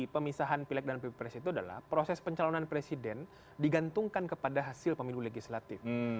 pemisahan pilek dan pilpres itu adalah proses pencalonan presiden digantungkan kepada hasil pemilu legislatif